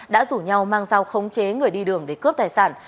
đã rủ nhau mang dao khống chế người đi đường để cướp tài sản